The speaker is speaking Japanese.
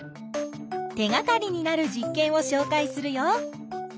手がかりになる実験をしょうかいするよ。